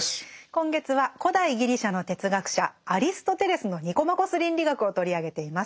今月は古代ギリシャの哲学者アリストテレスの「ニコマコス倫理学」を取り上げています。